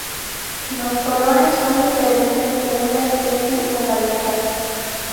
Los colores son diferentes según la especie o variedad.